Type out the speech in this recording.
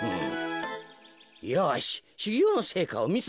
よししゅぎょうのせいかをみせてみよ。